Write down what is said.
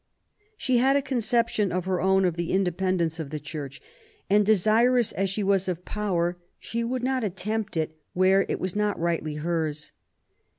She had a conception of her own of the independence of the Church ; and, desirous as she was of power, she would not accept it where it was not rightly hers.